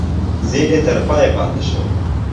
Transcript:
ځیني تر پایه پاته شول.